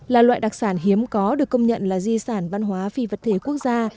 là loại đặc sản hiếm có được công nhận là di sản văn hóa phi vật thể quốc gia